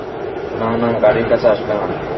না না, গাড়ির কাছে আসবে না।